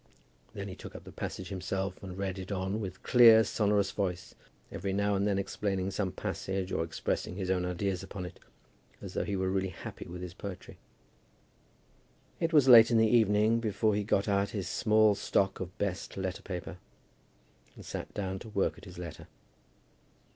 Then he took up the passage himself, and read it on with clear, sonorous voice, every now and then explaining some passage or expressing his own ideas upon it, as though he were really happy with his poetry. It was late in the evening before he got out his small stock of best letter paper, and sat down to work at his letter.